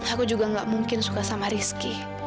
aku juga gak mungkin suka sama rizky